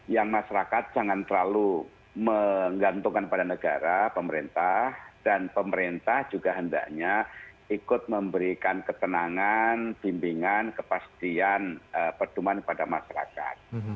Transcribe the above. yang masyarakat jangan terlalu menggantungkan pada negara pemerintah dan pemerintah juga hendaknya ikut memberikan ketenangan bimbingan kepastian perdoman kepada masyarakat